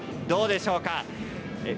どうでしょうか。